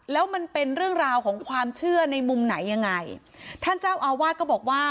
แล้วมันเป็นเรื่องราวของความเชื่อในมุมไหนยังไงท่านเจ้าอาวาสก็บอกว่า